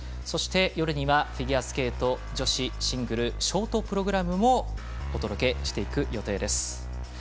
そして夜にはフィギュアスケート女子シングルショートプログラムお届けしていく予定です。